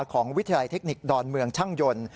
วิทยาลัยเทคนิคดอนเมืองช่างยนต์